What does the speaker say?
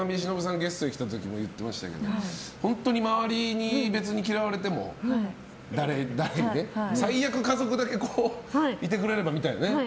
ゲストに来た時も言ってましたけど本当に周りに別に嫌われても最悪、家族だけいてくれればみたいな。